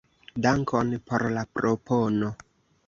Dankon por la propono.